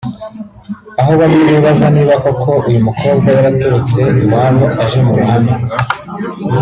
aho bamwe bibaza niba koko uyu mukobwa yaraturutse iwabo aje mu ruhame